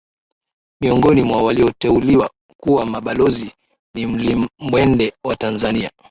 Miongoni mwa walioteuliwa kuwa mabalozi ni mlimbwende wa Tanzania